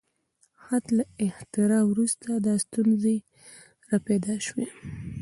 د خط له اختراع وروسته دا ستونزې راپیدا شوې.